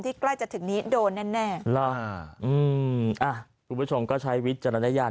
ที่ใกล้จะถึงนี้โดนแน่คุณผู้ชมก็ใช้วิจารณญาณ